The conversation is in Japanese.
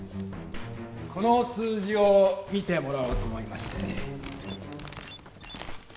この数字を見てもらおうと思いましてね。